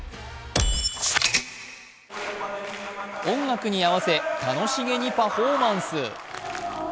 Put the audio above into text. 音楽に合わせ楽しげにパフォーマンス。